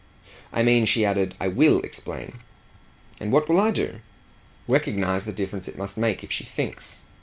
"I mean," she added, "I WILL explain." "And what will I do?" "Recognise the difference it must make if she thinks."